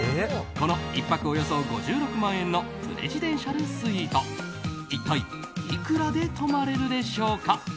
この１泊およそ５６万円のプレジデンシャルスイート一体いくらで泊まれるでしょうか。